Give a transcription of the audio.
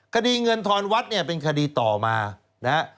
คดีเงินทอนวัดเนี่ยเป็นคดีต่อมานะฮะ